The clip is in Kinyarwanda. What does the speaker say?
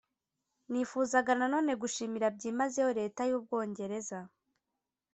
nifuzaga na none gushimira byimazeyo leta y'ubwongereza,